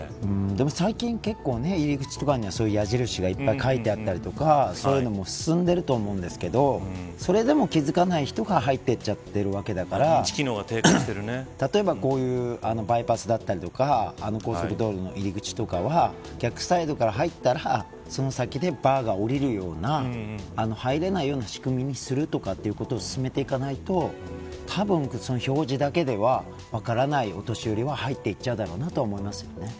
でも最近、入り口とかに矢印がいっぱい書いてあったりとかそういうのも進んでると思うんですけどそれでも気付かない人が入っていっちゃっているわけですから例えばこういうバイパスだったりとか高速道路の入り口とかは逆サイドから入ったらその先でバーが下りるような入れないような仕組みにするとかということを進めていかないとたぶん表示だけでは分からないお年寄りは入っていっちゃうだろうなと思います。